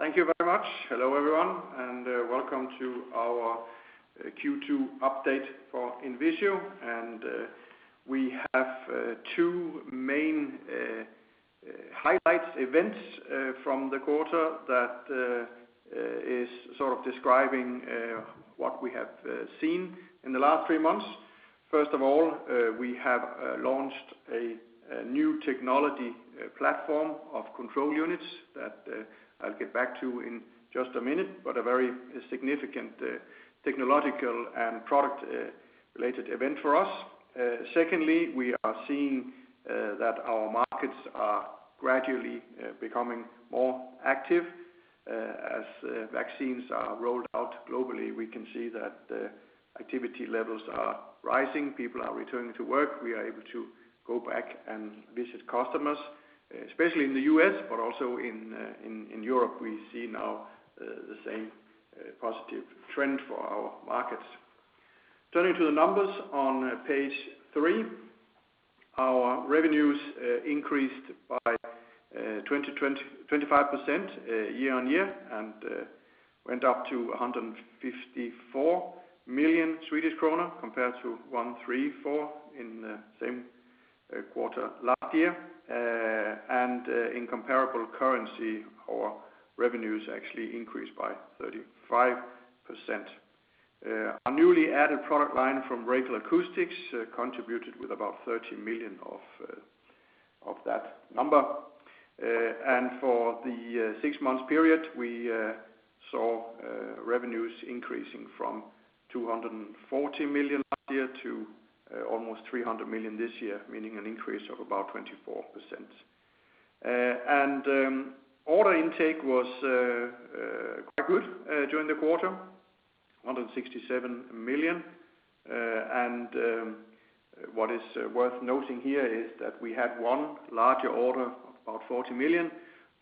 Thank you very much. Hello, everyone, and Welcome to our Q2 Update for INVISIO. We have two main highlight events from the quarter that is describing what we have seen in the last three months. First of all, we have launched a new technology platform of control units that I'll get back to in just a minute, but a very significant technological and product-related event for us. Secondly, we are seeing that our markets are gradually becoming more active as vaccines are rolled out globally, we can see that the activity levels are rising. People are returning to work. We are able to go back and visit customers, especially in the U.S., but also in Europe, we see now the same positive trend for our markets. Turning to the numbers on Page 3, our revenues increased by 25% year-on-year and went up to 154 million Swedish kronor compared to 134 million in the same quarter last year. In comparable currency, our revenues actually increased by 35%. Our newly added product line from Racal Acoustics, contributed with about 30 million of that number. For the six-month period, we saw revenues increasing from 240 million last year to almost 300 million this year, meaning an increase of about 24%. Order intake was quite good during the quarter, 167 million. What is worth noting here is that we had one larger order of about 40 million.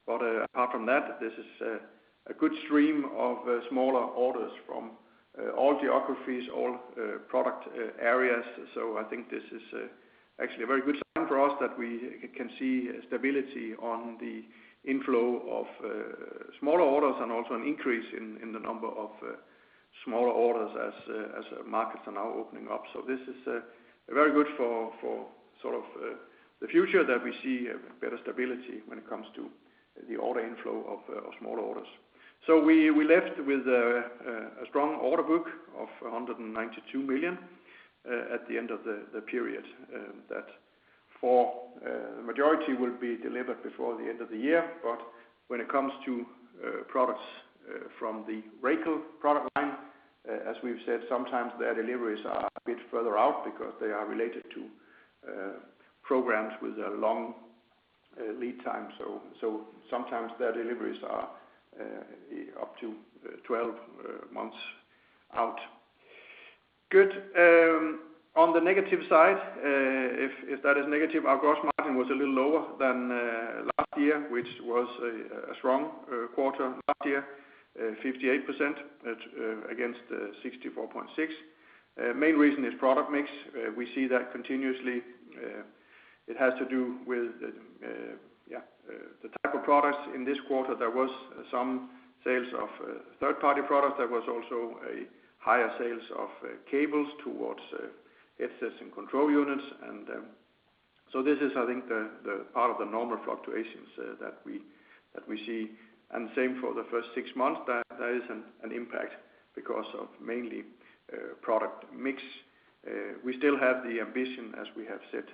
Apart from that, this is a good stream of smaller orders from all geographies, all product areas. I think this is actually a very good sign for us that we can see stability on the inflow of smaller orders and also an increase in the number of smaller orders as markets are now opening up. This is very good for the future that we see a better stability when it comes to the order inflow of smaller orders. We left with a strong order book of 192 million at the end of the period. That for the majority will be delivered before the end of the year. When it comes to products from the Racal product line, as we've said, sometimes their deliveries are a bit further out because they are related to programs with a long lead time, so sometimes their deliveries are up to 12 months out. Good. On the negative side, if that is negative, our gross margin was a little lower than last year, which was a strong quarter last year, 58% against 64.6%. Main reason is product mix. We see that continuously. It has to do with the type of products in this quarter. There was some sales of third-party products. There was also a higher sales of cables towards headsets and control units. This is, I think, the part of the normal fluctuations that we see, and the same for the first six months, that there is an impact because of mainly product mix. We still have the ambition, as we have said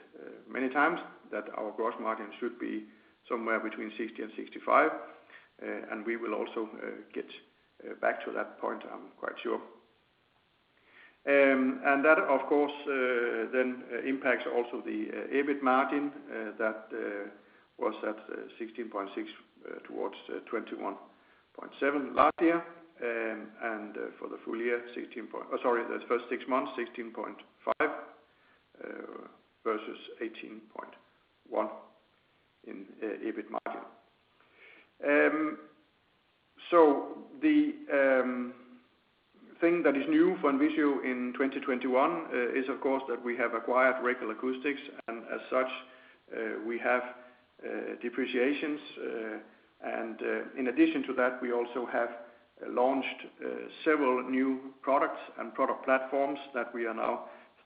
many times, that our gross margin should be somewhere between 60%-65%, and we will also get back to that point, I'm quite sure. That, of course, then impacts also the EBIT margin that was at 16.6% towards 21.7% last year. For the first six months, 16.5% versus 18.1% in EBIT margin. The thing that is new for INVISIO in 2021 is, of course, that we have acquired Racal Acoustics, and as such, we have depreciations. In addition to that, we also have launched several new products and product platforms that we are now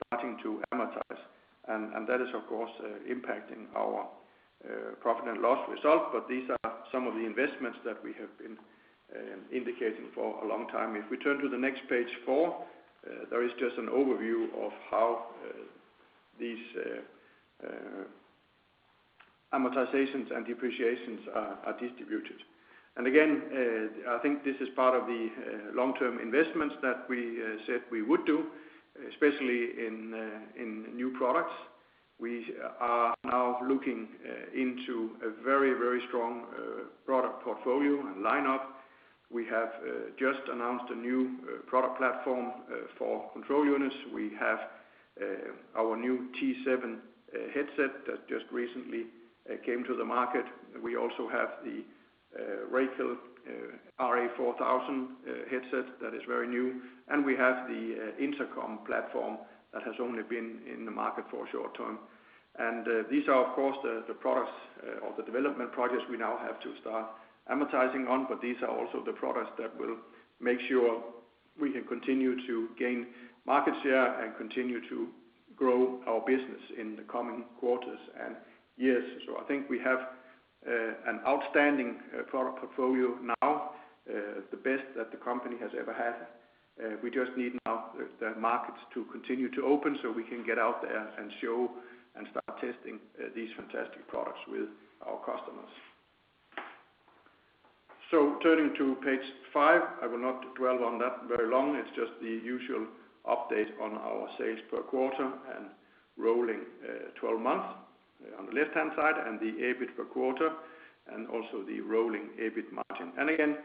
starting to amortize. That is, of course, impacting our profit and loss result. These are some of the investments that we have been indicating for a long time. If we turn to the next page 4, there is just an overview of how these amortizations and depreciations are distributed. Again, I think this is part of the long-term investments that we said we would do, especially in new products. We are now looking into a very strong product portfolio and lineup. We have just announced a new product platform for control units. We have our new T7 headset that just recently came to the market. We also have the Racal RA4000 headset that is very new. We have the Intercom platform that has only been in the market for a short time. These are, of course, the products of the development projects we now have to start amortizing on, but these are also the products that will make sure we can continue to gain market share and continue to grow our business in the coming quarters and years. I think we have an outstanding product portfolio now, the best that the company has ever had. We just need now the markets to continue to open so we can get out there and show and start testing these fantastic products with our customers. Turning to page 5, I will not dwell on that very long. It's just the usual update on our sales per quarter and rolling 12 months on the left-hand side and the EBIT per quarter and also the rolling EBIT margin. Again,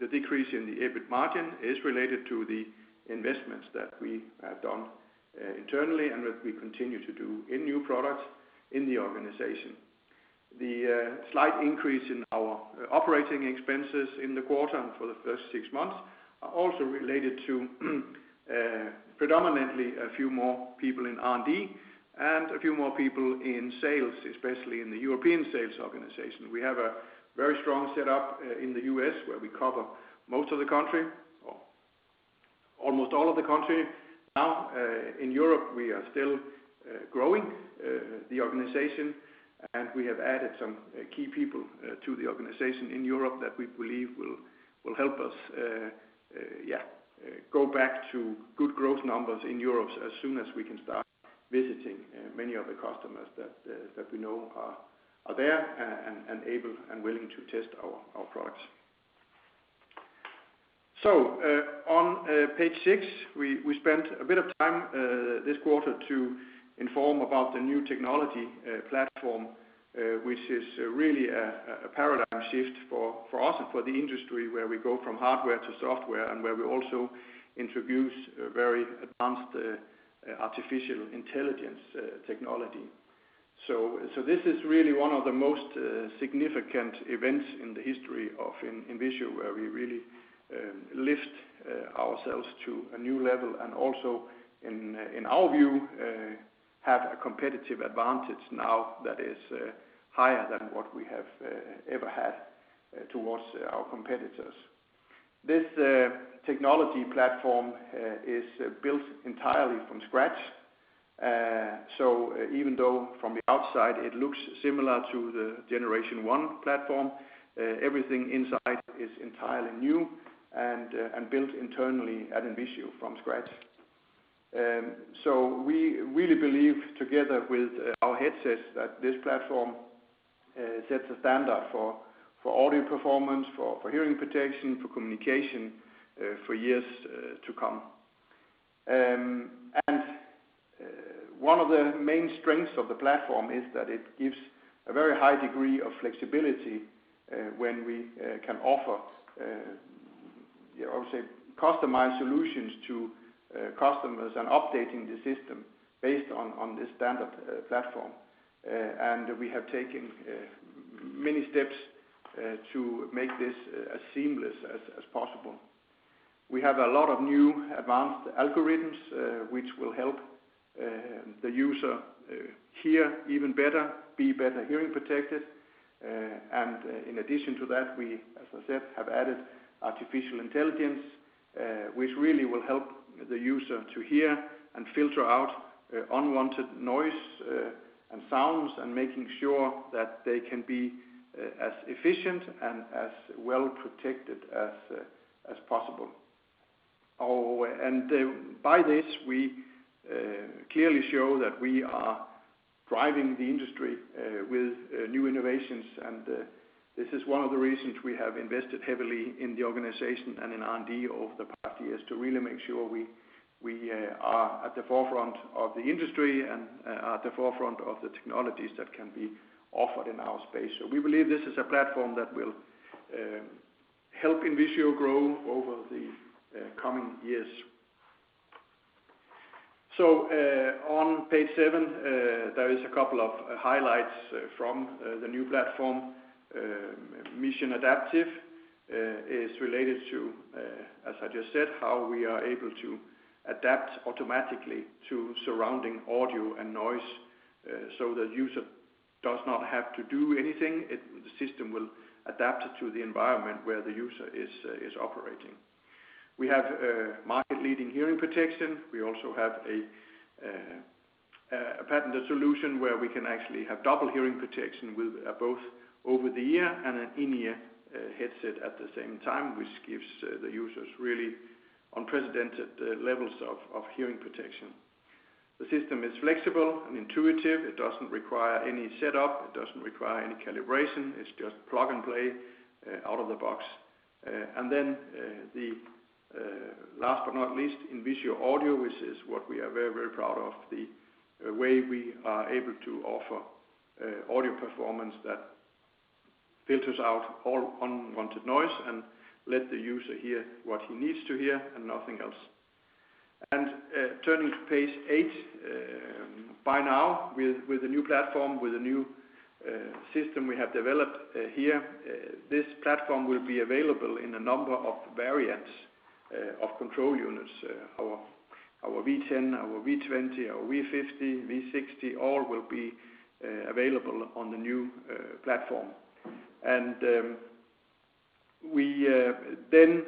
the decrease in the EBIT margin is related to the investments that we have done internally and that we continue to do in new products in the organization. The slight increase in our operating expenses in the quarter and for the first six months are also related to predominantly a few more people in R&D and a few more people in sales, especially in the European sales organization. We have a very strong setup in the U.S. where we cover most of the country, or almost all of the country. Now, in Europe, we are still growing the organization, and we have added some key people to the organization in Europe that we believe will help us go back to good growth numbers in Europe as soon as we can start visiting many of the customers that we know are there and able and willing to test our products. On page 6, we spent a bit of time this quarter to inform about the new technology platform, which is really a paradigm shift for us and for the industry, where we go from hardware to software and where we also introduce very advanced artificial intelligence technology. This is really one of the most significant events in the history of INVISIO, where we really lift ourselves to a new level and also, in our view, have a competitive advantage now that is higher than what we have ever had towards our competitors. This technology platform is built entirely from scratch. Even though from the outside it looks similar to the Gen I platform, everything inside is entirely new and built internally at INVISIO from scratch. We really believe together with our headsets that this platform sets a standard for audio performance, for hearing protection, for communication for years to come. One of the main strengths of the platform is that it gives a very high degree of flexibility when we can offer customized solutions to customers and updating the system based on the standard platform. We have taken many steps to make this as seamless as possible. We have a lot of new advanced algorithms which will help the user hear even better, be better hearing protected. In addition to that, we, as I said, have added artificial intelligence, which really will help the user to hear and filter out unwanted noise and sounds and making sure that they can be as efficient and as well protected as possible. By this, we clearly show that we are driving the industry with new innovations. This is one of the reasons we have invested heavily in the organization and in R&D over the past years to really make sure we are at the forefront of the industry and at the forefront of the technologies that can be offered in our space. We believe this is a platform that will help INVISIO grow over the coming years. On page 7, there is a couple of highlights from the new platform. Mission Adaptive is related to, as I just said, how we are able to adapt automatically to surrounding audio and noise so the user does not have to do anything. The system will adapt to the environment where the user is operating. We have market-leading hearing protection. We also have a patented solution where we can actually have double hearing protection with both over-the-ear and an in-ear headset at the same time, which gives the users really unprecedented levels of hearing protection. The system is flexible and intuitive. It doesn't require any setup. It doesn't require any calibration. It's just plug and play out of the box. [And then,] the last but not least, INVISIO Audio, which is what we are very, very proud of, the way we are able to offer audio performance that filters out all unwanted noise and let the user hear what he needs to hear and nothing else. Turning to page 8. By now, with the new platform, with the new system we have developed here, this platform will be available in a number of variants of control units. Our V10, our V20, our V50, V60, all will be available on the new platform. We then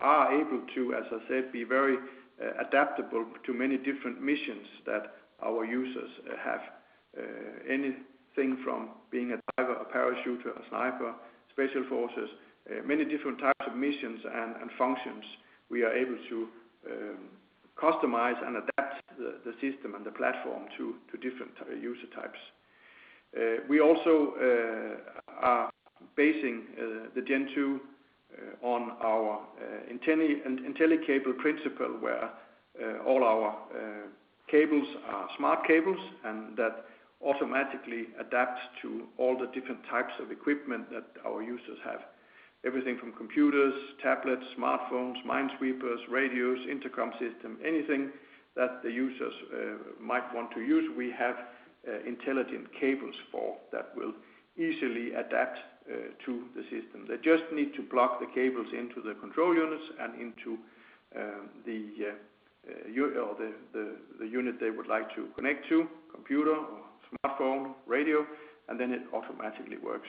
are able to, as I said, be very adaptable to many different missions that our users have. Anything from being a diver, a parachuter, a sniper, special forces, many different types of missions and functions, we are able to customize and adapt the system and the platform to different user types. We also are basing the Gen II on our IntelliCable principle, where all our cables are smart cables. That automatically adapts to all the different types of equipment that our users have. Everything from computers, tablets, smartphones, minesweepers, radios, Intercom system, anything that the users might want to use, we have intelligent cables for that will easily adapt to the system. They just need to plug the cables into the control units and into the unit they would like to connect to, computer or smartphone, radio. Then it automatically works.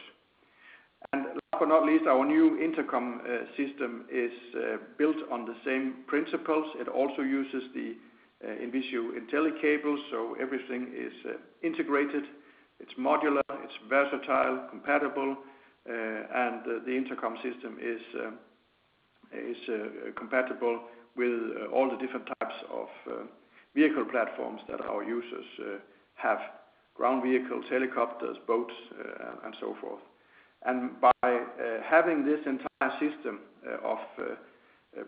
Last but not least, our new Intercom system is built on the same principles. It also uses the INVISIO IntelliCables. Everything is integrated, it's modular, it's versatile, compatible. The Intercom system is compatible with all the different types of vehicle platforms that our users have. Ground vehicles, helicopters, boats, and so forth. By having this entire system of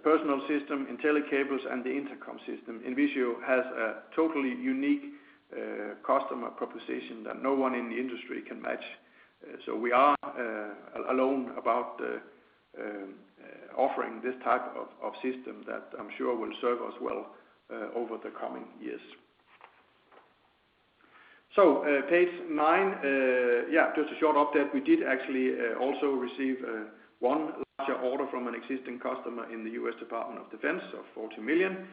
personal system, IntelliCables, and the Intercom system, INVISIO has a totally unique customer proposition that no one in the industry can match. We are alone about offering this type of system that I'm sure will serve us well over the coming years. Page 9. Yeah, just a short update. We did actually also receive 1 larger order from an existing customer in the U.S. Department of Defense of 40 million.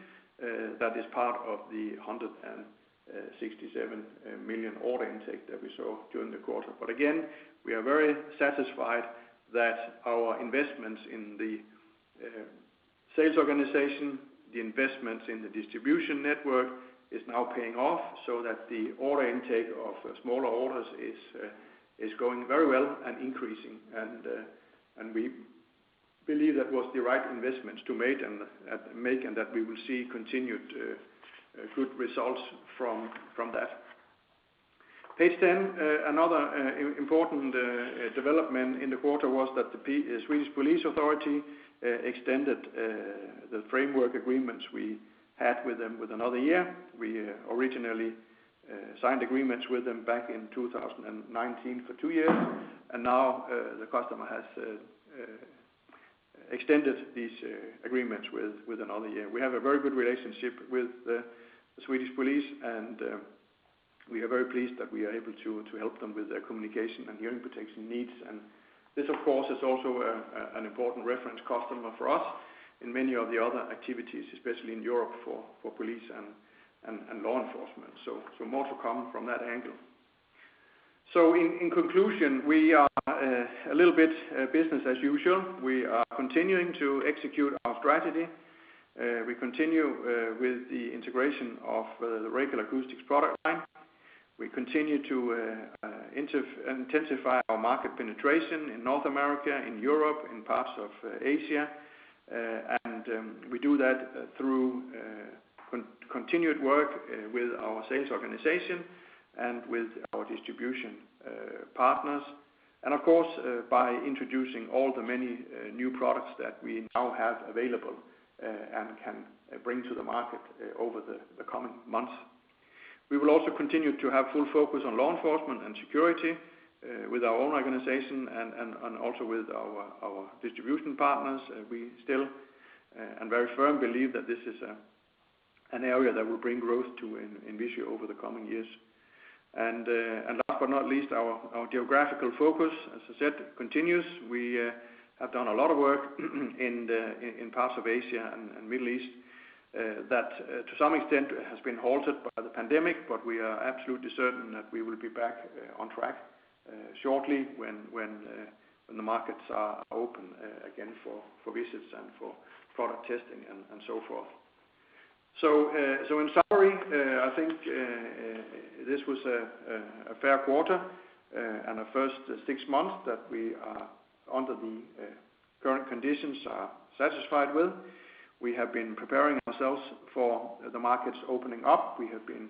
That is part of the 167 million order intake that we saw during the quarter. Again, we are very satisfied that our investments in the sales organization, the investments in the distribution network, is now paying off, so that the order intake of smaller orders is going very well and increasing. We believe that was the right investments to make, that we will see continued good results from that. Page 10. Another important development in the quarter was that the Swedish Police Authority extended the framework agreements we had with them with another year. We originally signed agreements with them back in 2019 for two years, now the customer has extended these agreements with another year. We have a very good relationship with the Swedish police, we are very pleased that we are able to help them with their communication and hearing protection needs. This, of course, is also an important reference customer for us in many of the other activities, especially in Europe, for police and law enforcement. More to come from that angle. In conclusion, we are a little bit business as usual. We are continuing to execute our strategy. We continue with the integration of the Racal Acoustics product line. We continue to intensify our market penetration in North America, in Europe, in parts of Asia. We do that through continued work with our sales organization and with our distribution partners. [And] of course, by introducing all the many new products that we now have available and can bring to the market over the coming months. We will also continue to have full focus on law enforcement and security with our own organization and also with our distribution partners. We still and very firm believe that this is an area that will bring growth to INVISIO over the coming years. Last but not least, our geographical focus, as I said, continues. We have done a lot of work in parts of Asia and Middle East that to some extent has been halted by the pandemic. We are absolutely certain that we will be back on track shortly when the markets are open again for visits and for product testing and so forth. In summary, I think this was a fair quarter and a first six months that we, under the current conditions, are satisfied with. We have been preparing ourselves for the markets opening up. We have been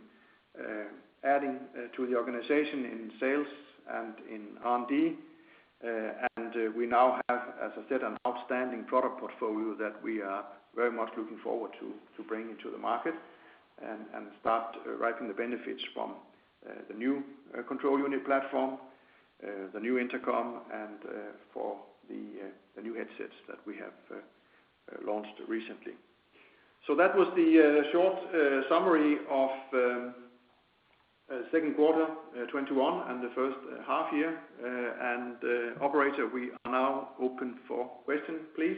adding to the organization in sales and in R&D. We now have, as I said, an outstanding product portfolio that we are very much looking forward to bringing to the market and start reaping the benefits from the new control unit platform, the new Intercom, and for the new headsets that we have launched recently. That was the short summary of second quarter 2021 and the first half year. Operator, we are now open for questions, please.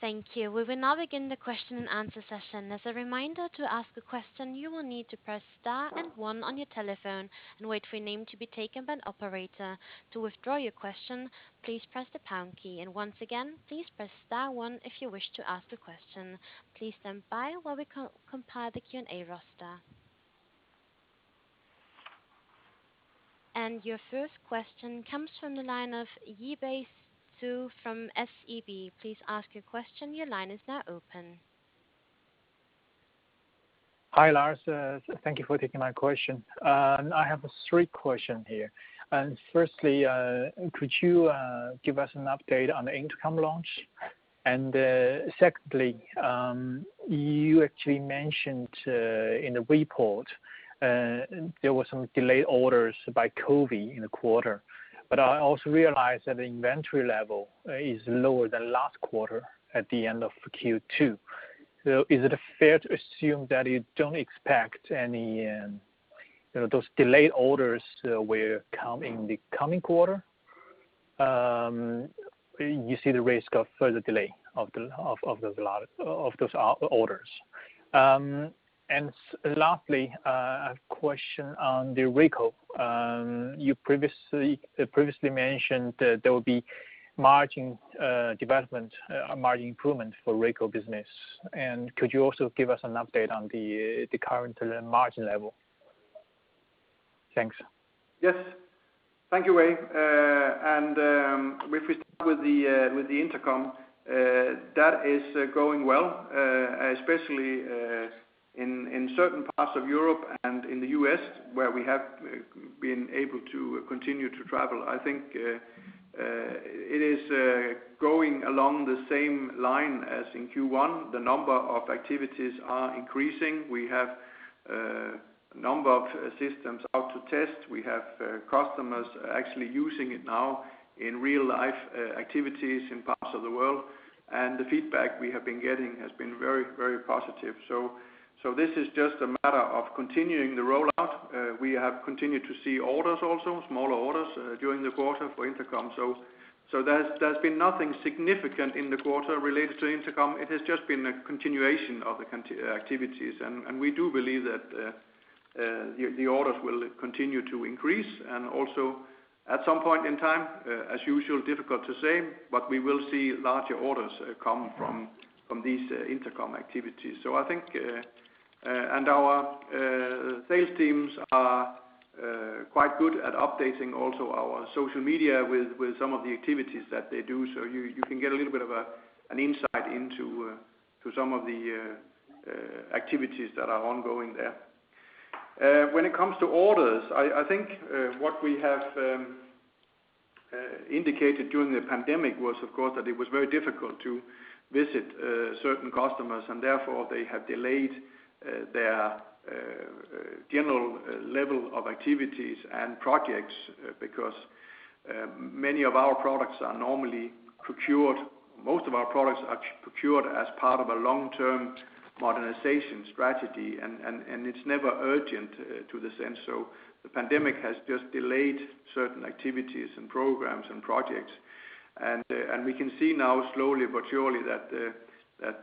Thank you. We will now begin the question and answer session. As a reminder, to ask a question, you will need to press star and one on your telephone and wait for your name to be taken by an operator. To withdraw your question, please press the pound key. Once again, please press star one if you wish to ask a question. Please stand by while we compile the Q&A roster. Your first question comes from the line of Yiwei Zhou from SEB. Please ask your question. Your line is now open. Hi, Lars. Thank you for taking my question. I have three questions here. Firstly, could you give us an update on the Intercom launch? Secondly, you actually mentioned in the report, there were some delayed orders by Covid in the quarter. I also realized that the inventory level is lower than last quarter at the end of Q2. Is it fair to assume that you don't expect those delayed orders will come in the coming quarter? You see the risk of further delay of those orders? Lastly, a question on the Racal. You previously mentioned there will be margin development, margin improvement for Racal business, and could you also give us an update on the current margin level? Thanks. Yes. Thank you, Yiwei. If we start with the Intercom, that is going well, especially in certain parts of Europe and in the U.S. where we have been able to continue to travel. I think it is going along the same line as in Q1. The number of activities are increasing. We have a number of systems out to test. We have customers actually using it now in real life activities in parts of the world, and the feedback we have been getting has been very, very positive. This is just a matter of continuing the rollout. We have continued to see orders also, smaller orders during the quarter for Intercom. There's been nothing significant in the quarter related to Intercom. It has just been a continuation of the activities. We do believe that the orders will continue to increase, and also at some point in time, as usual, difficult to say, but we will see larger orders come from these Intercom activities. I think, and our sales teams are quite good at updating also our social media with some of the activities that they do, so you can get a little bit of an insight into some of the activities that are ongoing there. When it comes to orders, I think what we have indicated during the pandemic was, of course, that it was very difficult to visit certain customers. And therefore they have delayed their general level of activities and projects, because many of our products are normally procured. Most of our products are procured as part of a long-term modernization strategy, and it's never urgent to this end. The pandemic has just delayed certain activities and programs and projects. We can see now slowly but surely that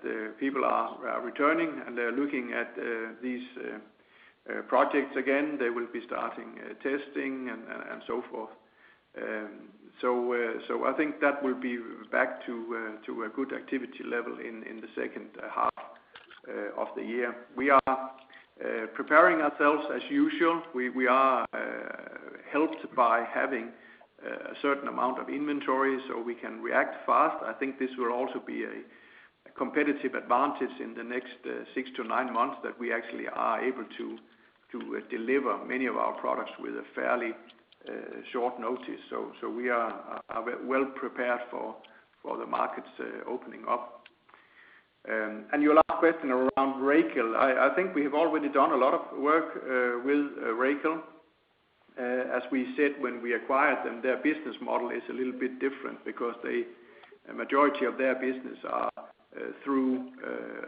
the people are returning, and they're looking at these projects again. They will be starting testing and so forth. I think that will be back to a good activity level in the second half of the year. We are preparing ourselves as usual. We are helped by having a certain amount of inventory so we can react fast. I think this will also be a competitive advantage in the next 6-9 months that we actually are able to deliver many of our products with a fairly short notice. We are well prepared for the markets opening up. Your last question around Racal, I think we have already done a lot of work with Racal. As we said when we acquired them, their business model is a little bit different because a majority of their business are through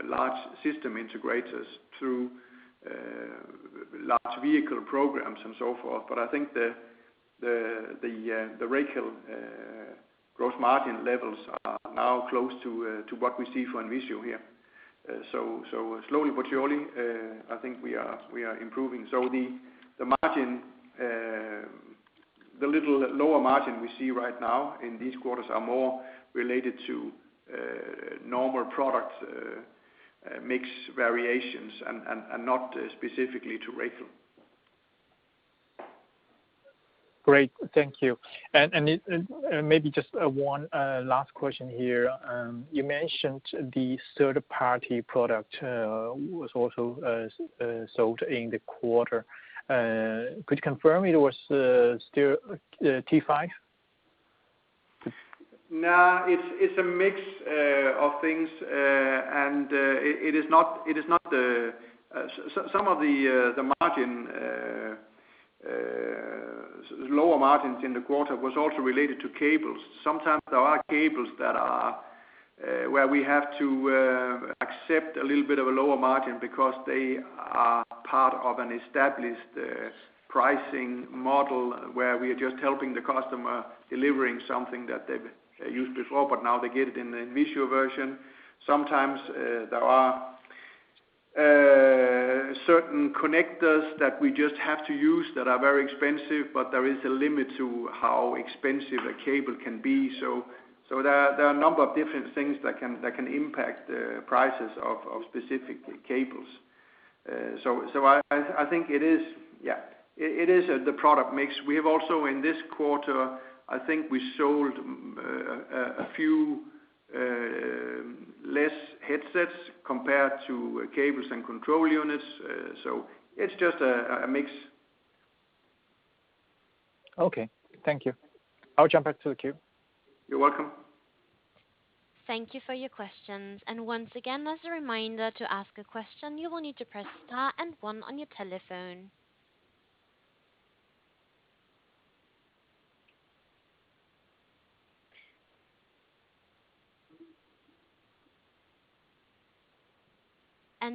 large system integrators, through large vehicle programs and so forth. I think the Racal gross margin levels are now close to what we see for INVISIO here. Slowly but surely, I think we are improving. The [margin the] little lower margin we see right now in these quarters are more related to normal product mix variations and not specifically to Racal. Great. Thank you. Maybe just one last question here. You mentioned the third-party product was also sold in the quarter. Could you confirm it was still T5? No, it's a mix of things. Some of the lower margins in the quarter was also related to cables. Sometimes there are cables where we have to accept a little bit of a lower margin because they are part of an established pricing model where we are just helping the customer delivering something that they've used before, but now they get it in an INVISIO version. Sometimes there are certain connectors that we just have to use that are very expensive, but there is a limit to how expensive a cable can be. [So,] there are a number of different things that can impact the prices of specific cables. I think it is the product mix. We have also in this quarter, I think we sold a few less headsets compared to cables and control units. It's just a mix. Okay. Thank you. I'll jump back to the queue. You're welcome. Thank you for your questions. Once again, as a reminder, to ask a question, you will need to press star and one on your telephone.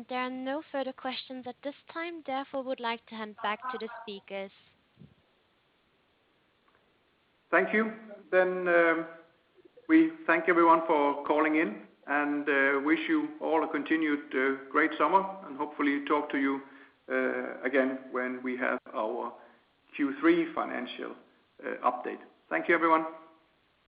There are no further questions at this time, therefore would like to hand back to the speakers. Thank you. We thank everyone for calling in and wish you all a continued great summer and hopefully talk to you again when we have our Q3 financial update. Thank you, everyone.